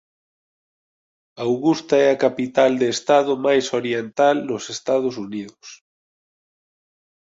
Augusta é a capital de estado máis oriental nos Estados Unidos.